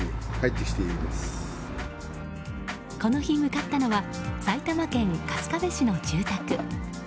この日、向かったのは埼玉県春日部市の住宅。